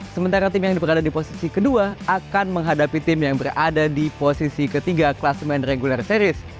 sementara tim yang berada di posisi kedua akan menghadapi tim yang berada di posisi ketiga kelas main regular series